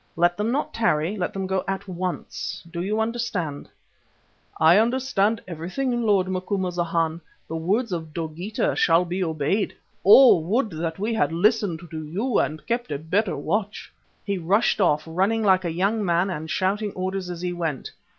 Let them not tarry. Let them go at once. Do you understand?" "I understand everything, lord Macumazana. The words of Dogeetah shall be obeyed. Oh! would that we had listened to you and kept a better watch!" He rushed off, running like a young man and shouting orders as he went.